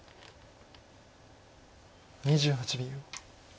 ２８秒。